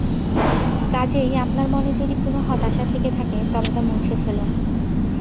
কাজেই আপনার মনে যদি কোনো হতাশা থেকে থাকে তবে তা মুছে ফেলুন।